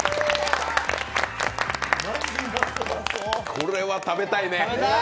これは食べたいね！